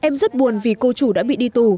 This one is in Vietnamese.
em rất buồn vì cô chủ đã bị đi tù